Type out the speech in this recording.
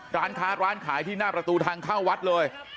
ร้านค้าร้านขายที่หน้าประตูทางเข้าวัดเลย